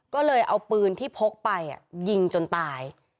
ก็เลยเอาปืนที่พกไปยิงจนตาย